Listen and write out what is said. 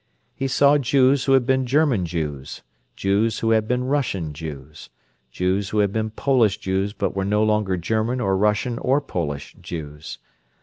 He saw Jews who had been German Jews, Jews who had been Russian Jews, Jews who had been Polish Jews but were no longer German or Russian or Polish Jews.